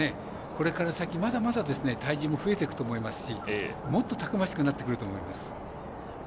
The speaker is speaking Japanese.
これから先、まだまだ体重も増えていくと思いますしもっとたくましくなると思うんです。